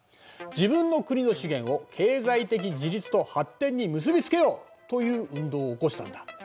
「自分の国の資源を経済的自立と発展に結びつけよう」という運動を起こしたんだ。